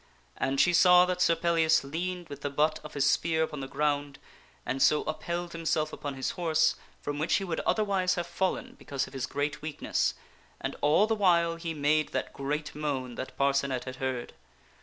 And she saw that Sir Pel ^ as ^ eane< ^ w ^\\ tne butt of his spear upon the ground and so upheld himself upon his horse from which he would otherwise have fallen because of his great weakness, and all the while he made that great moan that Parcenet had heard.